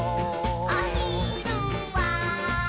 「おひるは」